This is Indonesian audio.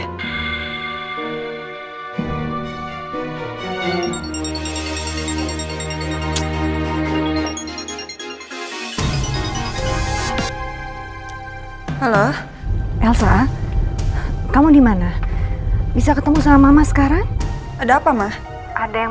halo elsa kamu dimana bisa ketemu sama mama sekarang ada apa mah ada yang